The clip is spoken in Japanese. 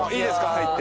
入って。